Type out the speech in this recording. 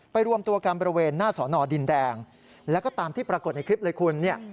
รวมตัวกันบริเวณหน้าสอนอดินแดงแล้วก็ตามที่ปรากฏในคลิปเลยคุณเนี่ย